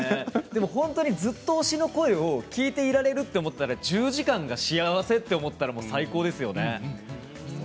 でもずっと推しの声を聞いていられると思ったら１０時間幸せと思ったら最高ですよね。